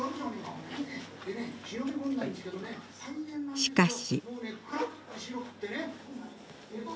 しかし。